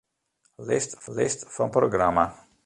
List fan programma.